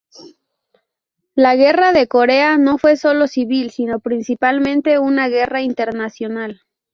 La guerra de Corea no fue solo civil, sino principalmente, una guerra internacional.